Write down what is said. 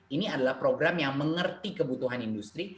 ini adalah program yang mengerti kebutuhan industri